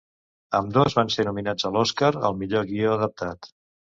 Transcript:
Ambdós van ser nominats a l'Oscar al millor guió adaptat.